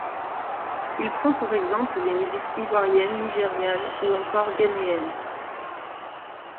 Il prend pour exemples les musiques ivoiriennes, nigérianes, ou encore ghanéennes.